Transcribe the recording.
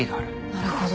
なるほど。